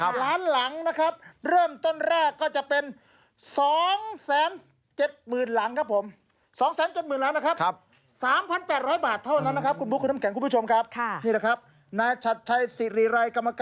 ครับล้านหลังนะครับเริ่มต้นแรกก็จะเป็นสองแสนเจ็ดหมื่นหรังครับผม